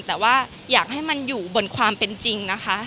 แต่ว่าอยากให้มันอยู่บนความเป็นจริงนะคะ